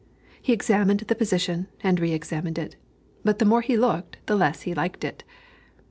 He examined the position, and re examined it; but, the more he looked, the less he liked it.